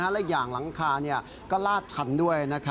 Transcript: และอีกอย่างหลังคาก็ลาดชันด้วย